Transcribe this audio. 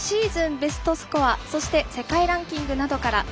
ベストスコアそして、世界ランキングなどから。